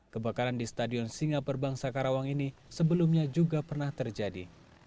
kebakaran di stadion singaperbang sakarawang ini sebelumnya juga pernah terjadi